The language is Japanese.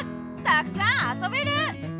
たくさんあそべる！